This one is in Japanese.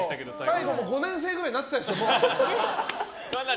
最後５年生くらいになってたでしょ。